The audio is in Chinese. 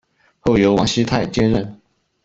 后由王熙泰接任。